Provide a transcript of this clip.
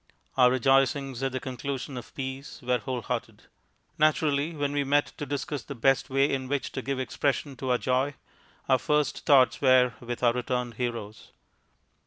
Our rejoicings at the conclusion of Peace were whole hearted. Naturally, when we met to discuss the best way in which to give expression to our joy, our first thoughts were with our returned heroes.